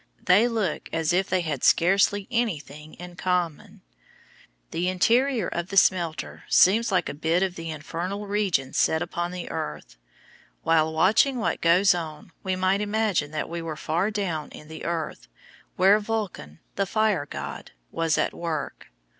They look as if they had scarcely anything in common. The interior of the smelter seems like a bit of the infernal regions set upon the earth. While watching what goes on, we might imagine that we were far down in the earth, where Vulcan, the fire god, was at work.